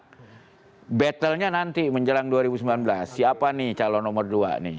nah battle nya nanti menjelang dua ribu sembilan belas siapa nih calon nomor dua nih